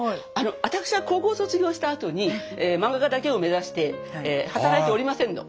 私が高校卒業したあとに漫画家だけを目指して働いておりませんの。